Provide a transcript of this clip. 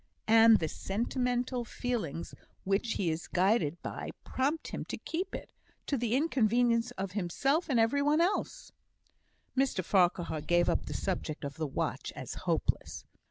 "And the sentimental feelings which he is guided by prompt him to keep it, to the inconvenience of himself and every one else." Mr Farquhar gave up the subject of the watch as hopeless.